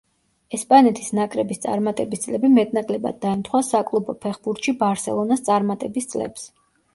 ესპანეთის ნაკრების წარმატების წლები მეტ-ნაკლებად დაემთხვა საკლუბო ფეხბურთში „ბარსელონას“ წარმატების წლებს.